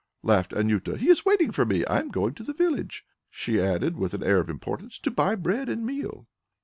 laughed Anjuta. "He is waiting for me. I am going to the village," she added with an air of importance, "to buy bread and meal."